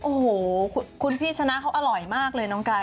โอ้โหคุณพี่ชนะเขาอร่อยมากเลยน้องกาย